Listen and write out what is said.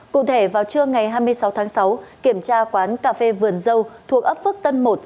cụ thể vào trưa ngày hai mươi sáu tháng sáu kiểm tra quán cà phê vườn dâu thuộc ấp phước tân một